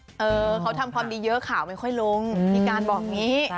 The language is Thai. อ่าเขาทำคำดีขาวไม่ค่อยลงพิการบอกนี้